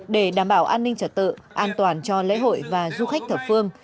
để đảm bảo an ninh trật tự an toàn cho lễ hội và du khách thập phương